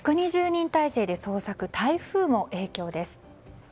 １２０人態勢で捜索台風も影響です。